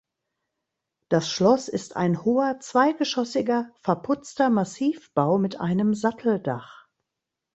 Das Schloss ist ein hoher zweigeschossiger verputzter Massivbau mit einem Satteldach.